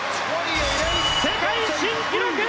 世界新記録！